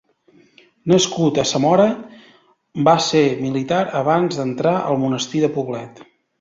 Nascut a Zamora, va ser militar abans d'entrar al Monestir de Poblet.